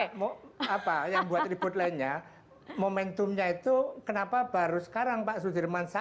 jadi enggak apa yang buat ribut lainnya momentumnya itu kenapa baru sekarang pak sudirman said